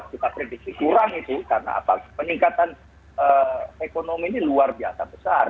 kita kira itu kurang karena peningkatan ekonomi ini luar biasa besar